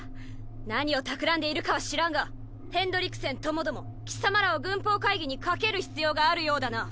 何を企んでいるかは知らんがヘンドリクセンともども貴様らを軍法会議にかける必要があるようだな。